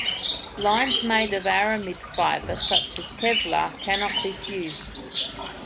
Lines made of aramid fiber such as Kevlar cannot be fused.